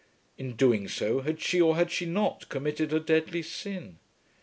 In doing so had she or had she not committed a deadly sin?